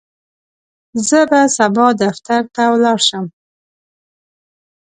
زه به سبا دفتر ته ولاړ شم.